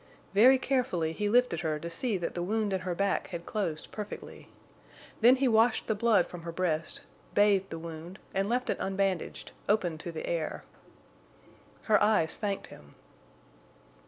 Very carefully he lifted her to see that the wound in her back had closed perfectly. Then he washed the blood from her breast, bathed the wound, and left it unbandaged, open to the air. Her eyes thanked him.